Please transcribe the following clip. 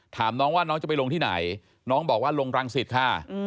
ถามน้องว่าน้องจะไปลงที่ไหนน้องบอกว่าลงรังสิตค่ะ